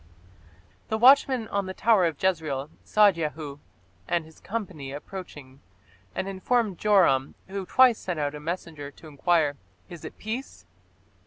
The watchman on the tower of Jezreel saw Jehu and his company approaching and informed Joram, who twice sent out a messenger to enquire, "Is it peace?"